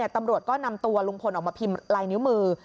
ตำรวจก็นำตัวลุงพลออกมาพิมพ์ลายนิ้วมือ